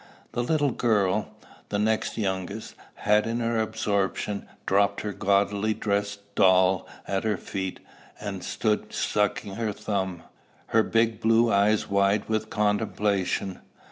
The little girl, the next youngest, had, in her absorption, dropped her gaudily dressed doll at her feet, and stood sucking her thumb, her big blue eyes wide with contemplation.